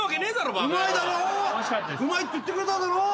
うまいって言ってくれただろ！